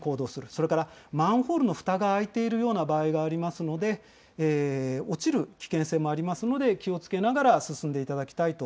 それからマンホールのふたが開いているような場合がありますので、落ちる危険性もありますので、気をつけながら進んでいただきたい